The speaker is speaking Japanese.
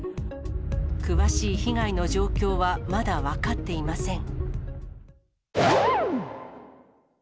詳しい被害の状況はまだ分かっていません。